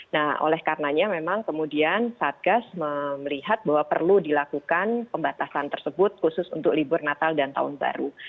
nah oleh karenanya memang kemudian satgas melihat bahwa perlu dilakukan pembatasan tersebut khusus untuk libur natal dan tahun baru